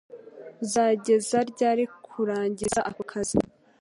Uzageza ryari kurangiza ako kazi?